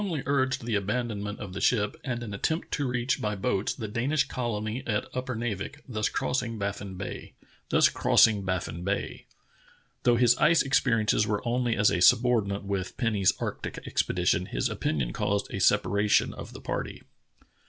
}' urged the abandonment of the ship and an attempt to reach by boats the Danish colony at Upernavik, thus crossing Baffin Bay. Though his ice experiences were only as a subordinate with Penny's arctic expedition, his opin ion caused a separation of the party.